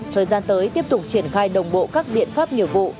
thời gian tới tiếp tục triển khai đồng bộ các biện pháp nghiệp vụ